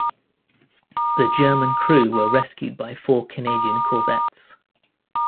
The German crew were rescued by four Canadian corvettes.